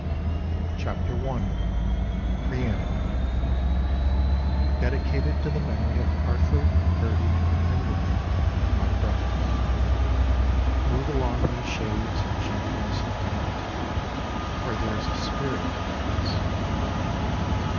Stokes Company Publishers Dedicated to the Memory of Arthur, Bertie, and Wilfrid—my Brothers Move along these shades In gentleness of heart; ...... for there is a spirit in the woods.